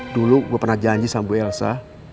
dulu gue pernah janji sama bu elsa